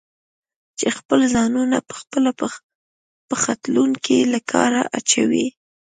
چې خپل ځانونه پخپله په خوټلون کې له کاره اچوي؟